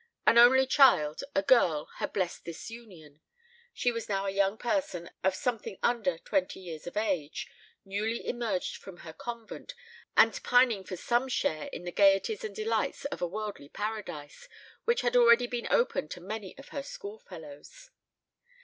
One only child, a girl, had blessed this union. She was now a young person of something under twenty years of age, newly emerged from her convent, and pining for some share in the gaieties and delights of a worldly paradise, which had already been open to many of her schoolfellows.